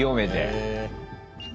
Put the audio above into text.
へえ。